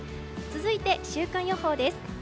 続いて、週間予報です。